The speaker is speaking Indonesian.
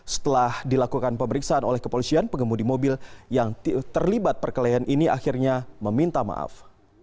setelah dilakukan pemeriksaan oleh kepolisian pengemudi mobil yang terlibat perkelahian ini akhirnya meminta maaf